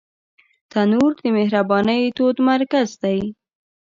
تنور د مهربانۍ تود مرکز دی